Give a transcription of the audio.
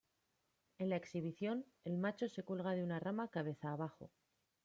En la exhibición, el macho se cuelga de una rama cabeza abajo.